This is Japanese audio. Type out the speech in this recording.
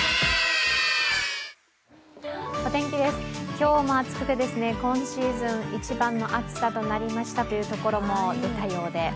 今日も暑くて、今シーズン一番の暑さとなりましたというところも出たようで。